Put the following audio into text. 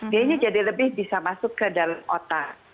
biasanya jadi lebih bisa masuk ke dalam otak